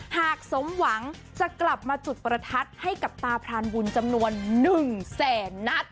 หากสมหวังจะกลับมาจุดประทัดให้กับตาพรานบุญจำนวน๑แสนนัด